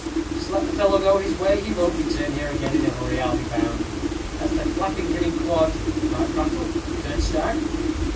Just let the fellow go his way; he won't return here again in a hurry, I'll be bound. As to clapping him in quod, he might prattle turn stag."